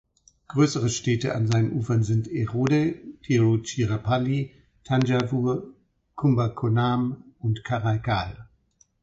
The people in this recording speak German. Größere Städte an seinen Ufern sind Erode, Tiruchirappalli, Thanjavur, Kumbakonam und Karaikal.